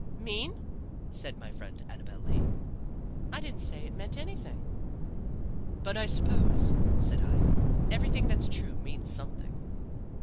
"Mean?" said my friend Annabel Lee. "I didn't say it meant anything." "But I suppose," said I, "everything that's true means something."